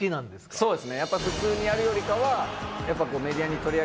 そうですね。